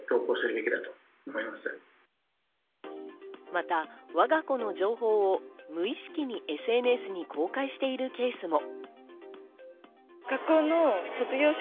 また、我が子の情報を無意識にＳＮＳに公開しているケースも。